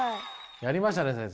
やりましたね先生。